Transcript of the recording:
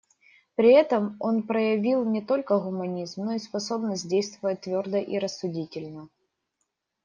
При этом он проявил не только гуманизм, но и способность действовать твердо и рассудительно.